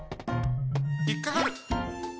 ひっかかる！